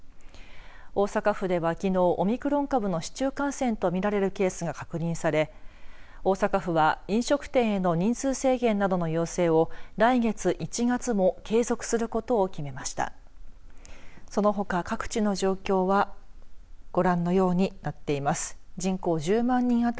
大阪府ではきのうオミクロン株の市中感染とみられるケースが確認され大阪府は、飲食店などの人数制限の要請を来月１月も継続することを決めました。